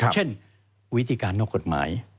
เช่นวิธีการนอกกฎหมาย